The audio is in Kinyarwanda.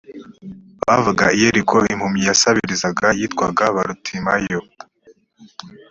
bavaga i yeriko impumyi yasabirizaga yitwaga barutimayo